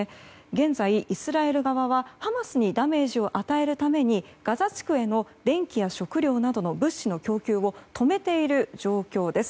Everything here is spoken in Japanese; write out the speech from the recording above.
現在、イスラエル側はハマスにダメージを与えるためにガザ地区への電気や食料などの物資の供給を止めている状況です。